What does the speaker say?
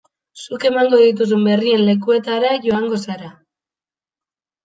Zuk emango dituzun berrien lekuetara joango zara.